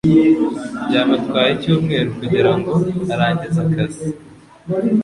Byamutwaye icyumweru kugirango arangize akazi.